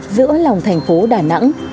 giữa lòng thành phố đà nẵng